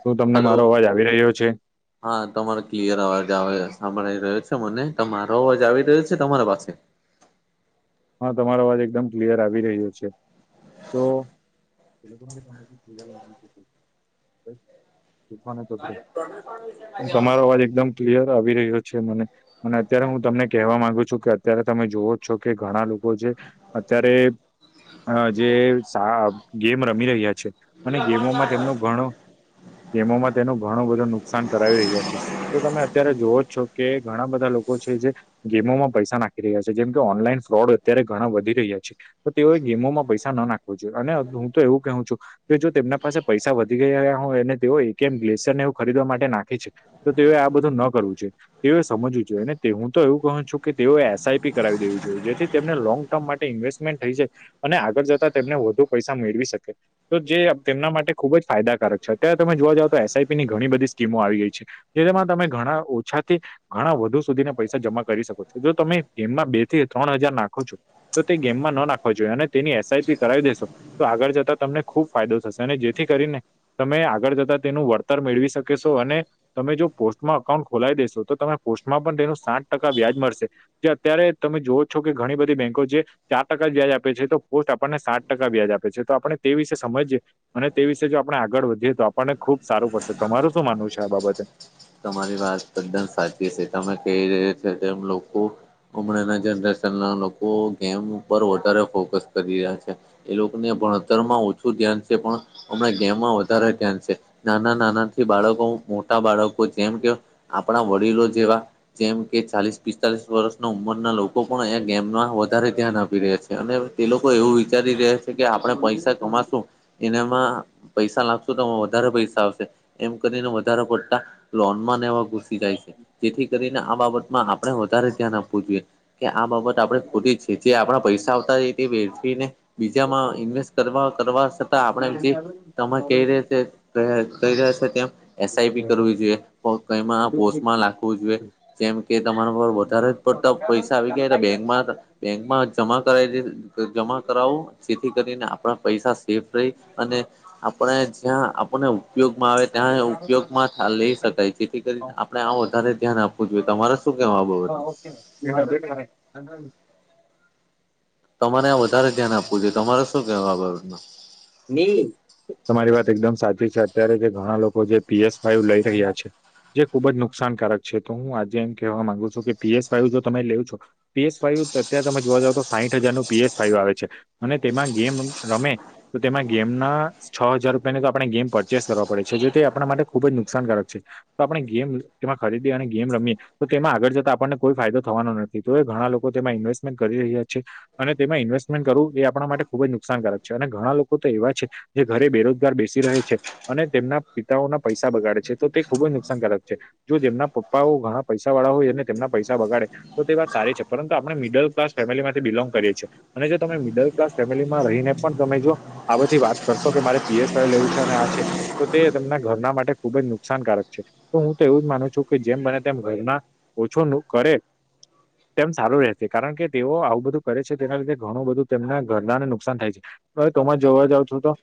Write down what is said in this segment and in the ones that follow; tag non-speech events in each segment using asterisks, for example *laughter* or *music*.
શું તમને હલો મારો અવાજ આવી રહ્યો છે? હા તમારો ક્લિયર અવાજ આવે સાંભળી રહ્યો છે મને તમારો અવાજ આવી રહ્યો છે તમારા પાસે. હા તમારો અવાજ એકદમ ક્લિયર આવી રહ્યો છે તો. *inaudible* તમારો અવાજ એકદમ ક્લિયર આવી રહ્યો છે મને અને અત્યારે હું તમને કહેવા માંગુ છું કે અત્યારે તમે જોવો છો કે ઘણા લોકો જે અત્યારે અ જે શા ગેમ રમી રહ્યા છે અને ગેમોમાં તેમનો ઘણો ગેમો માં તેનું ઘણું બધું નુકસાન કરાવી રહ્યા છે. તો તમે અત્યારે જોવો જ છો કે ઘણા બધા લોકો છે જે ગેમોમાં પૈસા નાખી રહ્યા છે જેમ કે ઓનલાઈન ફ્રોડ અત્યારે ઘણા વધી રહ્યા છે. તો તેઓએ ગેમોમાં પૈસા ના નાખવો જોઈએ અને હું તો એવું કહું છું. કે જો તેમના પાસે પૈસા વધી ગયા હોય અને તેઓ એટી એમ ગ્લેશિયર ને એ ખરીદવા માટે નાખે છે. તો તેઓએ આ બધું ન કરવું જોઈએ. તેઓએ સમજવું જોઈએ ને તે હું તો એવું કહું છું કે તેઓએ એસ આઈ પી કરાવી દેવી જોઈ જેથી તેમને લોંગ ટર્મ માટે ઇન્વેસ્ટમેન્ટ થઈ જાય અને આગળ જતા તેમને વધુ પૈસા મેળવી શકે. તો જે તેમના માટે ખૂબ જ ફાયદાકારક છે. અત્યારે તમે જોવા જાવ તો એસ આઈ પી ની ઘણી બધી સ્કીમો આવી ગઈ છે. જેના માં તમે ઘણા ઓછાથી ઘણા વધુ સુધીના પૈસા જમા કરી શકો છો. જો તમે ગેમમાં બે થી ત્રણ હજાર નાખો છો. તો તે ગેમમાં ન નાખવા જોઈએ અને તેની એસ આઈ પી કરાવી દેેશો. તો આગળ જતા તમને ખુબ ફાયદો થશે અને જેથી કરીને તમે આગળ જતા તેનું વળતર મેળવી શકીસો અને તમે જો પોસ્ટમાં અકાઉન્ટ ખોલાવી દેશો તો તમે પોસ્ટમાં પણ તેનું સાત ટકા વ્યાજ મળશે. જે અત્યારે તમે જોઓ છો કે ઘણી બધી બેંકો જે ચાર ટકા વ્યાજ આપે છે તો પોસ્ટ આપણને સાત ટકા વ્યાજ આપે છે તો આપણે તે વિશે સમજીયે અને તે વિશે જો આપણે આગળ વધીએ તો આપણને ખુબ સારું પડશે તમારું શું માનવું છે આ બાબતે તમારી વાત તદ્દન સાચી છે, તમે કહી રહ્યા છે, તેમ લોકો હમણાંના જનરેશન ના લોકો ગેમ ઉપર વધારે ફોકસ કરી રહ્યા છે. એ લોકોને ભણતરમાં ઓછું ધ્યાન છે, પણ હમણાં ગેમમાં વધારે ધ્યાન છે નાના નાનાથી બાળકો મોટા બાળકો જેમ કે આપણા વડીલો જેવા જેમ કે ચાલીસ પિસ્તાલીસ વર્ષના ઉંમરના લોકો પણ એ ગેમના વધારે ધ્યાન આ પી રહયા છે, અને તે લોકો એવું વિચારી રહયા છે, કે આપણે પૈસા કમાશું એનામાં પૈસા લાગશુ તો વધારે પૈસા આવશે. એમ કરીને વધારે પડતા લોનમાં નેવા ઘુસી જાય છે. જેથી કરીને આ બાબતમાં આપણે વધારે ધ્યાન આપવું જોઈએ કે આ બાબત આપણે ખોટી છે, જે આપણા પૈસા આવતા રેય તે વેડફીને બીજામાં ઇન્વેસ્ટ કરવા કરવા સ આપડે જે તમે કઈ રે છે *unintelligible* રહ્યા છે, તેમ એસઆઈપી કરવી જોઈએ પ પોસ્ટમાં લાખવુ જોએ‌. જેમ કે તમારા પર વધારે જ પડતા પૈસા આવી ગયા બેંકમાં બેંકમાં જમા કરાય જમા કરાવો જેથી કરીને આપણા પૈસા *unintelligible* અને આપણે જ્યાં આપને ઉપયોગમાં આવે ત્યાં ઉપયોગમાં લઈ શકાય જેથી કરીને આપણે આ વધારે ધ્યાન આપવું જોઈએ તમારે *inaudible* હા ઓકે *unintelligible* તમારે વધારે ધ્યાન આપવું જોઈએ તમારે શું કેવુ આ બાતમાં? ની તમારી વાત એકદમ સાચી છે, અત્યારે જે ઘણા લોકો જે પીએસ ફાઈવ લઈ રહ્યા છે. જે ખુબ જ નુકસાનકારક છે, તો હું આજે એમ કહેવા માંગુ છું કે પીએસ વાય જો તમે લેવ છો પીએસ ફાઈવ અત્યારે તમે જોવા જાવ તો સાઈઠ હજારનું પીએસ ફાઈવ આવે છે, અને તેમાં ગેમ રમે તો તેમાં ગેમના છ હજાર રૂપિયાની તો આપણે ગેમ પરચેસ કરવા પડે છે, જો તે આપણા માટે ખુબ જ નુકસાનકારક છે. તો આપણે ગેમ તેમાં ખરીદીએ અને ગેમ રમીએ તો તેમાં આગળ જતા આપણને કોઈ ફાયદો થવાનો નથી તો એ ઘણા લોકો તેમાં ઇન્વેસ્ટમેન્ટ કરી રહ્યા છે. અને તેમાં ઇન્વેસ્ટમેન્ટ કરવું એ આપણા માટે ખુબ જ નુકસાનકારક છે, અને ઘણા લો કો તો એવા છે, જે ઘરે બેરોજગાર બેસી રહે છે. અને તેમના પિતાઓના પૈસા બગાડે છે, તો તે ખુબ જ નુકસાનકારક છે. જો જેમના પપ્પાઓ ઘણા પૈસા વાળા હોય અને તેમના પૈસા બગાડે તો તે વાત સારી છે પરંતુ આપણે મિડલ કલાસ ફેમિલીમાંથી બિલોંગ કરીએ છીએ અને જો તમે મિડલ ક્લાસ ફેમિલીમાં રહીને પણ તમે જો આ બધી વાત કરશો કે મારે પીએસ વાય લેવું છે અને આ છે તો તે તેમના ઘરના માટે ખુબ જ નુકસાનકારક છે તો હું તો એવું જ માનું છું કે જેમ બને તેમ ઘરના ઓછો ન કરે તેમ સારું રહેશે કારણ કે તેઓ આવું બધું કરે છે તેના લીધે ઘણું બધું તેમના ઘરનાને નુકસાન થાય છે. હવે તોમાં જોવા જાવ છો તો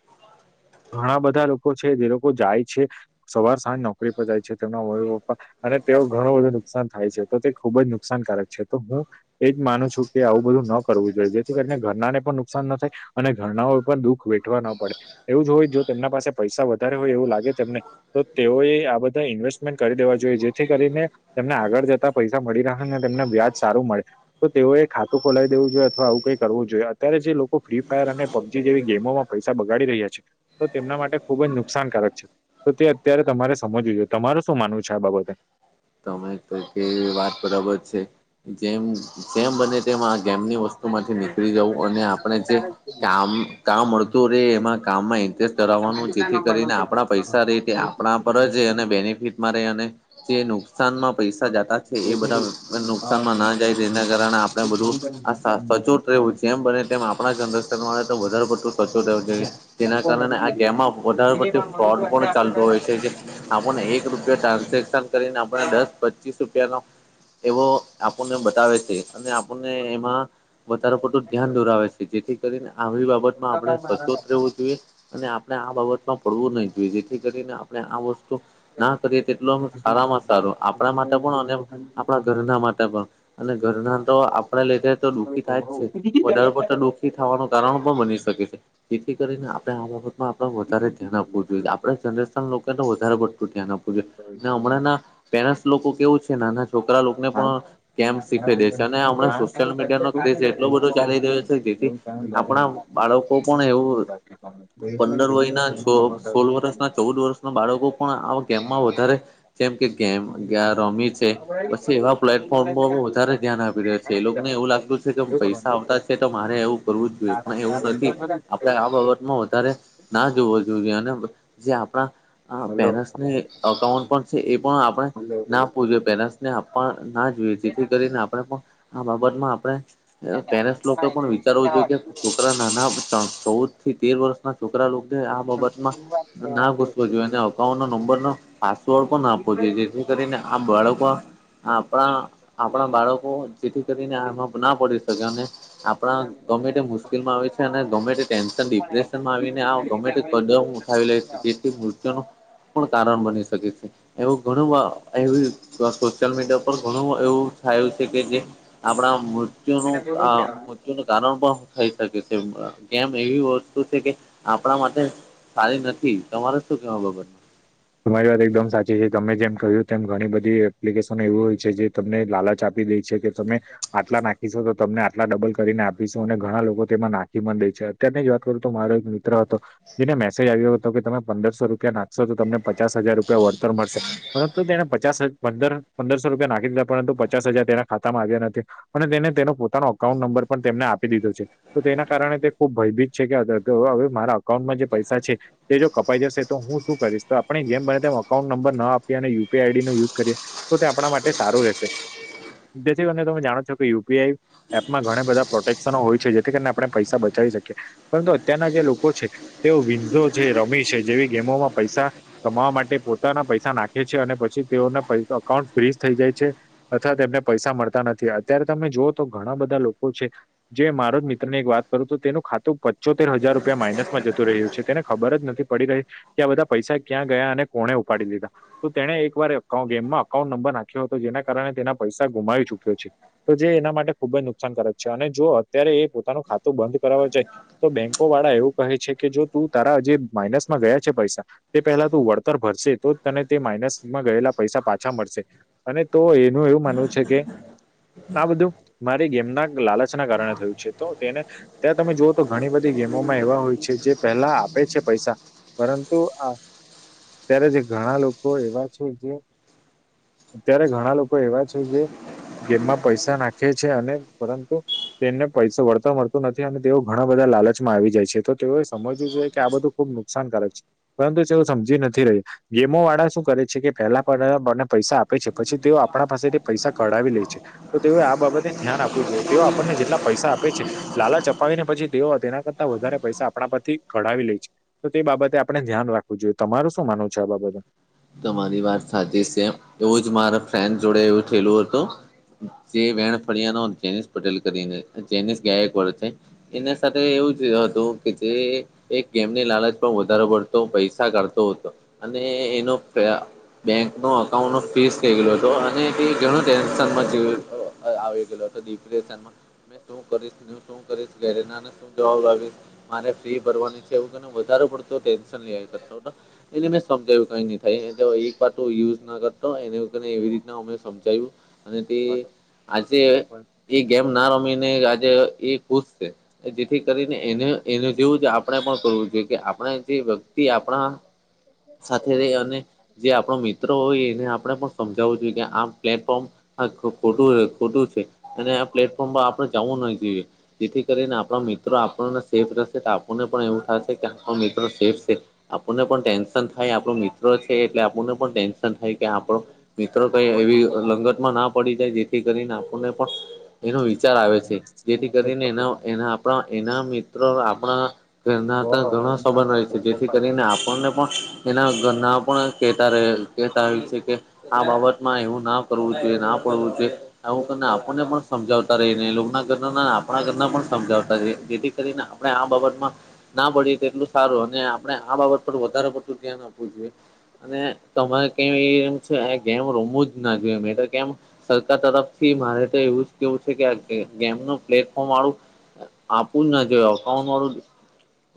ઘણા બધા લોકો છે જે લોકો જાય છે. સવાર સાંજ નોકરી પર જાય છે. તેમના મમી પપ્પા અને તેઓ ઘણું બધું નુકસાન થાય છે, તો તે ખુબ જ નુકસાનકારક છે, તો હું એજ માનું છું કે આવું બધું ન કરવું જોઈએ જેથી કરીને ઘરનાને પણ નુકસાન ન થાય અને ઘરનાઓ પણ દુઃખ વેઠવા ન પડે એવું જ હોય જો તેમના પાસે પૈસા વધારે હોય એવું લાગે તેમને તો તેઓએ આ બધા ઇન્વેસ્ટમેન્ટ કરી દેવા જોઈએ જેથી કરીને તેમને આગળ જતા પૈસા મળી રહ્યા ને તેમને વ્યાજ સારું મળે. તો તેઓએ ખાતું ખોલાવી દેવું જોઈએ અથવા આવું કઈ કરવું જોઈએ અત્યારે જે લોકો ફ્રી ફાયર અને જેવી ગેમોમાં પૈસા બગાડી રહ્યા છે તો તેમના માટે ખુબ જ નુકસાનકારક છે તો તે અત્યારે તમારે સમજવું જોએ તમારું શું માનવું છે, આ બાબતે? તમે કે વાત બરાબર છે. જેમ જેમ બને તેમ આ ગેમની વસ્તુ માંથી નીકળી જવું અને આપણે જે કામ કામ મળતું રે એમાં કામમાં ઇન્ટરેસ્ટ કરાવવાનું જેથી કરીને આપણા પૈસા રે તે આપણા પર જ અને બેનિફિટમાં ર અને તે નુકસાન માં પૈસા એ બધા નુકસાનમાં ના જાય તેના કારણે આપણે બધું *unintelligible* જેમ બને તેમ આપણા વધારે પડતું રહેવું જોઈએ તેના કારણે આ ગમાં વધારે પર તી ફ્રાડ પણ ચાલતું હોય છે જે આપને એક રૂપિયા ટ્રાન્ઝેક્શન કરીને આપણે દસ પ પચીસ રૂપિયાનો એવો આપણને બતાવે છે અને આપણને એમાં વધારે પડું ધ્યાન દોરાવે છે જેથી કરીને આવી બાબતમાં આપણે સચોત રહેવું જોઈએ અને આપડણે આ બાબત માં પડવું નહી જોઈએ જેથી કરીને આપણે આ વસ્તુ ના કરીએ તેટલો સારામાં સારો આપણા માટે પણ અને આપણા ઘરના માટે પણ અને ઘરના તો આપે લીધે તો દુઃખી થાય જ છે વધારે પડતા દુઃખી થવાનું કારણ પણ બની શકે છે જેથી કરીને આપડણે આ બાબતમાં આપ વધારે ધ્યાન આપવું જોઈએ આપણે જનરેશન લોકોનું વધારે બતું ધ્યાન આપવું જોઈએ હમણાં ના પેરેન્ટસ લોકો કેવું છે નાના છોકરા લોકોને પણ કેમ શીખ દે છે અને હમણાં સોશિયલ મીડિયાનો એટલો બધો ચાલી રહ્યો છે જેથી આપણા બાળકો પણ એવું પંદર વય ના સોળ વર્ષ ના ચૌદ વર્ષ બાળકો પણ આ ગેમમાં વધારે જેમ કે ગેમ રમી છે પછી એવા પ્લેટફોર્મ પર વધારે ધ્યાન આપી રહ્યા છે એ લોકોને એવું લાગતું છે કે પૈસા આવતા છે તો મારે એવું કરવું જ જોઈએ *inaudible* આપણેે આ બાબતમાં વધારે ના જોવો જોઈએ અને જે આપણા પેન્સની અકાઉન્ટ પણ છે એ પણ આપણે પેરન્ટને આપ ના જેથી કરીને આપણે પણ આ બાબતમાં આપણે પેરે લોકો પણ વિચારવું જોઈએ કે છોકરા નાના ચૌદ થી તેર વર્ષના છોકરા લગને આ બાબતમાં ના ઘુસવો જોઈએ એને અકાઉન્ટ નો નંબરનો પાસવર્ડ પણ ન આપવો જોઈએ. કરીને આ બાળકો આપણા આપણા બાળકો જેથી કરીને આમાં- ના પડી શકાય અને - આપણા ગમે તે મુશ્કેલમાં છે અને ગમે તે ટેન્શન ડિપ્રેશનમાં આવીને આ ગમે તે- કદમ ઉઠાવી લે છે જેથી મૃત્યુ ન- *unintelligible* પણ કારણ બની શકે છે એવું ઘણું એ સોશયલ મીડિયા પર ઘણું એવું- થયું છે કે જે આપણા મૃત્યુનું- કારણ પણ થઈ શકે છે. પ્રેમ એવી વસ્તુ છે કે આપણા માટે સારી નથી. તમારે શું કેવા આ બાબતે? તમારી વાત એકદમ સાચી છે. તમે જેમ કહ્યું તેમ ઘણી બધી એપ્લિકેશનો એવું હોય છે જે તમને લાલચ આપ આપી દે છે કે તમે- આટલા નાખીશું તો તમને આટલા ડબલ કરીને આપીશું અને ઘણા લોકો તેમાં નાખી દે છે. અત્યારની જ વાત કરું તો મારો એક મિત્ર હતો જેને મેસેજ આવ્યો હતો કે તમે પંદરસો રૂપિયા નાખશો તો તમને- પચાસ હજાર રૂપિયા વળતર મળશે પરંતુ તેને પચાસ હજાર- પંદર પંદરસો રૂપિયા નાખી દીધા પરંતુ પચાસ હજાર તેના ખાતામાં આવ્યા નથી અને તેને તેનો પોતાનો અકાઉન્ટ નંબર પણ તેમને આપી દીધો છે. તો તેના કારણે તે ખૂબ ભયભીત છે કે હવે મારા અકાઉન્ટમાં જે પૈસા છે તે જો કપાઈ જશે તો હું શું કરીશ તો- આપણે જેમ બને તેમ અકાઉન્ટ નંબર ના આપીએ અને યુપીઆ આઈડી નો યુઝ કરીએ તો તે આપણા માટે સારું રહેશે. *unintelligible* તમે જાણો છો કે યુપીઆઈ- એપમાં ઘણા બધા પ્રોટેક્શનો હોય છે જેથી કરીને આપણે પૈસા બચાવી શકીએ. પરંતુ અત્યારના જે લોકો છે તેઓ વિન્ઝો છે રમી છે જેવી ગેમોમાં પૈસા કમાવા માટે પોતાના પૈસા નાખે છે અને પછી તેઓના અકાઉન્ટ ફ્રીઝ થઈ જાય છે. અથવા એમને પૈસા મળતા નથી અત્યારે તમે જોુઓ તો ઘણા બધા લોકો છે જે મારો જ મિત્ર ની એક વાત કરું તો તેનું ખાતું પચોતેર હજાર રૂપિયા માઇનસમાં જતું રહ્યું છે તેને ખબર જ નથી પડી રહી કે આ બધા પૈસા ક્યાં ગયા અને કોને ઉપાડી લીધા. તો તેણે એક વાર ગેમમાં અકાઉન્ટ નંબર નાખ્યો હતો જેના કારણે તેના પૈસા ગુમાવી ચુક્યો છે. તો જે એના માટે ખુબ જ નુકસાનકારક છે અને જો અત્યારે એ પોતાનું ખાતું બંધ કરાવવા જાય તો બેંકો વાળા એવું કહે છે કે જો તું તારાજ માઇનસમાં ગયા છે પૈસા તે પહેલા તું વળતર ભરશે તો તને તે માઇનસમાં ગયેલા પૈસા પાછા મળશે. અને તો એનું એવું માનવું છે કે આ બધું મારી ગેમના લાલચ ના કારણે થયું છે તો તેને ત્યાં તમે જુઓ તો ઘણી બધી ગેમોમાં એવા હોય છે જે પહેલા આપે છે પૈસા પરંતુ આ ત્યારે જે ઘણા લોકો એવા છે જે અત્યારે ઘણા લોકો એવા છે જે ગેમમાં પૈસા નાખે છે અને પરંતુ તેમને પૈસો વળતો મળતો નથી અને તેઓ ઘણા બધા લાલચમાં આવી જાય છે. તો તેઓએ સમજવું જોઈએ કે આ બધું ખુબ નુકસાનકારક છે. પરંતુ ચ સમજી નથી રહી ગેમો વાળા શું કરે છે કે પેલાને પૈસા આપે કઈ છે પછી તેઓ આપડા પાસેથી પૈસા કઢાવી લે છે. તો તેઓએ આ બાબતેને ધ્યાન આપવું જોઈએ તેઓ આપણને જેટલા પૈસા આપે છે લાલા ચપાવીને પછી તેઓ તેના કરતા વધારે પૈસા આપડા પરથી કઢાવી લે છે. તો તે બાબતે આપડને ધ્યાન રાખવું જોઈએ. તમારું શું માનવું છે આ બાબતે? તમારી વાત સાચી છે. એવું જ મારા ફ્રેન્ડ જોડે એવું થયેલું હતું. જે વેણ ફરિયાનો જેનિસ પટેલ કરીને જેનીસ ગાયકવાડ છે. એના સાથે એવું જ હતું કે જે એક ગેમની લાલચ પણ વધારો પડતો પૈસા કાઢતો હતો અને એનો પ્યા બેંકનો અકાઉન્ટ નો ફીસ થઈ ગયલો હતો અને તે ઘણું ટેન્શન આવી ગયલો હતો. સીચુએસન માં મેં શું કરીશ શું કરીશ શું ઘરેના ને શું જવાબ આપીશ મારે ફ્રી ભરવાની છે એવું કે વધારે પડત ટેન્શન ન આવ એને મેં સમજાવ્યું કઈ નહીં એક વાત યુઝ ના કરતો એનેને એવી રીતના અમે સમજાવ્યું અને તે આજે એ ગેમ ના રમીનેે એ ખુશ છે જેથી કરીને એ એ જેવું જ આપ આપડે પણ કરવું જોઈએ કે આપણે જે વ્યક્તિ આપણા સાથે રહી અને જે આપણો મિત્રો હોય એને આપડા પણ સમજાવવું જોઈએ કે આમ પ્લેટફોર્મ આ ખોટું છે ખોટું છે અને આ પ્લેટફોર્મ પર આપડે જવું ન જોઈએ જેથી કરીને આપડા મિત્રો આપણને સેફ રહેશે તો આપણને પણ એવું થશે કે આપડો મિત્ર સેફ છે. આપણને પણ ટેન્શન થાય આપડો મિત્રો છે એટલે આપણને પણ ટેન્શન થાય કે આપડો મિત્રો કઈ એવી લંગત માં ના પડી જાય જેથી કરીને આપણને પણ એનો વિચાર આવે છે જેથી કરીને એનાના આપણા એના મિત્રો આપણા તેના હતા ઘણો સંબંધ હોય છે જેથી કરીને આપણને પણ એના ઘર ના પણ કતા કતા હોય છે કે આ બાબતમાં એવું ના પડવું જોઈએ ના પડવું જોઈએ આમ આપણને પણ સમજાવતા રહી ને તે લોકો ના ઘરના આપણા ઘરના પણ સમજાવતા જેથી કરીને આપણે આ બાબતમાં ના પળી તો એટલું સારું અને આપણે આ બાબત પર વધારે પટલું ધ્યાન આપવું જોઈએ. અને તમારે કે એમ છે ગેમ રમું જ ના જોઈએ. નહીં તર કેમ સરકાર તરફથી મારે તો એવું જ કેવું છે કે ગેમ નું પ્લેટફોર્મ વાળું આપું જ ના કવથા મારું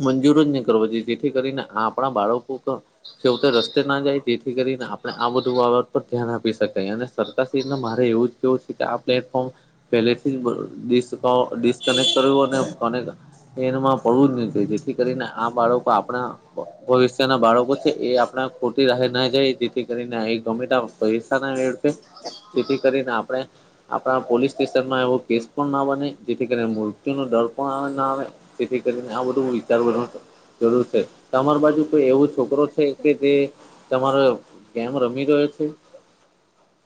મંજૂર જ નહી કરવા જોઈએ જેથી કરીને આપડા બાળકો ક છેવટે રસ્તે ના જાય જેથી કરીને આપડે આ બધું વાવાત પર ધ્યાન આપી શકાય અને સરકાર શ્રી ને મારે એવું જ કેવું છે કે આ પ્લેટફોર્મ પેલેથી બ ડીસ કો ડીસ તમે કર્યું અને ફોન એનમાં પડવું જ ન જેથી કરીને આ બાળકો આપણા ભવિષ્યના બાળકો છે આપડે ખોટી રાહે ના જાય જેથી કરીને આઈ ગમે તા પૈસા ના રેડૂપે જેથી કરીને આપડે આપણા પોલીસ સ્ટેશનમાં એવો કેસ પણ ના બને જેથી કરીને મૃત્યુ નો ડર પણ આવે ના આવે તેથી કરીને આ બધું વિચારવાનું જરૂર છે તમાર બાજુ કોઈ એવો છોકરો છે. કે તે તમારો કેમ રમી રહ્યો છે.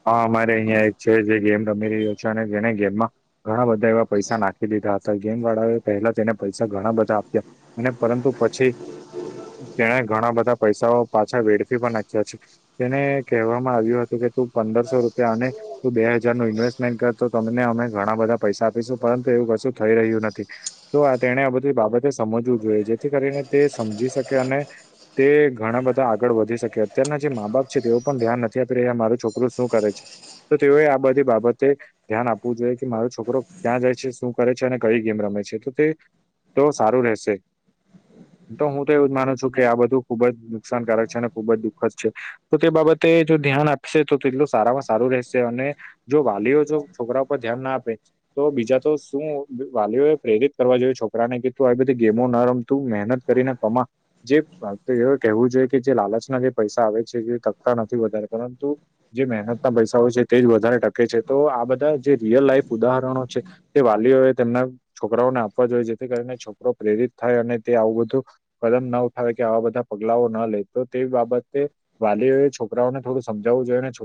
હા અમારે અહિયાં એક છે જે ગેમ રમી રહ્યો છે અને જેને ગેમમાં ઘણા બધા એવા પૈસા નાખી દીધા હતા ગેમ વાળાઓએ પહેલા તેને પૈસા ઘણા બધા આપ્યા અને પરંતુ પછી તેણે ઘણા બધા પૈસાઓ પાછા વેડફી પણ નાખ્યા છે. તેને કહેવામાં આવ્યું હતું કે તું પંદરસો રૂપિયા અને તું બે હજાર નું ઇન્વેસ્ટમેન્ટ કર તો તમને અમે ઘણા બધા પૈસા આપીશું પરંતુ એવું કશું થઈ રહ્યું નથી. તો તેણે આ બધી બાબતે સમજવું જોઈએ જેથી કરીને તે સમજી શકે અને તે ઘણા બધા આગળ વધી શકે અત્યારના જે મા બાપ છે તેઓ પણ ધ્યાન નથી આપી રહ્યા મારો પેલુ શું કરે છે તો તેઓ આ બધી બાબતે ધ્યાન આપવું જોઈએ કે મારો છોકરો ક્યાં જાય છે શું કરે છે અને કઈ ગેમ રમે છે તો તે તો સારું રહેશે. તો હું તો એવું માનું છું કે આ બધું ખુબ જ નુકસાનકારક છે અને ખુબ જ દુઃખદ છે. તો તે બાબતે જો ધ્યાન આપશે. તો તેટલું સારામાં સારું રહેશે અને જો વાલીઓ જો છોકરા પર ધ્યાન ના આપે તો બીજા તો શું વાલીઓ એ પ્રેરિત કરવા જોઈએ છોકરાને કે તું આવી બધી ગેમો ન રમતું મહેનત કરીને પમા જે એ કવું જોઈએ કે જે લાલચના જે પૈસા આવે છે એ તકતા નથી વધારે પરંતુ જે મહેનત ના પૈસાઓય છે તે જ વધારે ટકે છે તો આ બધા જે રિયલ લાઈફ ઉદાહરણો છે. તે વાલીઓ એ તેમના છોકરાઓને આપવા જોઈએ જેથી કરીને છોકરો પ્રેરિત થાય અને તે આવું બધું કદમ ના ઉઠાવે કે આવા બધા પગલાઓ ના લે તો તે બાબતે વાલીઓએ છોકરાઓને થોડું સમજાવવું જોઈ ને છોક